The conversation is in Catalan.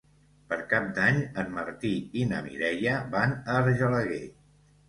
Per Cap d'Any en Martí i na Mireia van a Argelaguer.